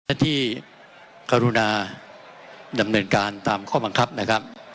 และที่กรุณาดำเนินการตามข้อบังคับนะครับ